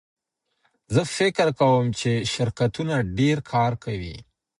زه فکر کوم چې شرکتونه ډېر کار کوي.